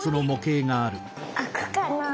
あくかな？